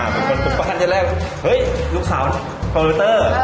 เป็นผู้ประหันต์ลูกสาวผู้หัวเต้อ